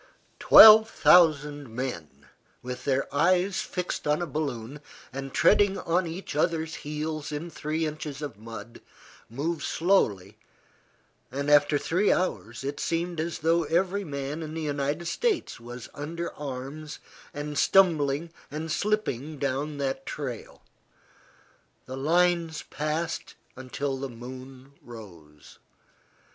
Twelve thousand men, with their eyes fixed on a balloon, and treading on each other's heels in three inches of mud, move slowly, and after three hours, it seemed as though every man in the United States was under arms and stumbling and slipping down that trail. The lines passed until the moon rose.